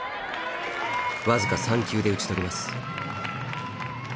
僅か３球で打ち取ります。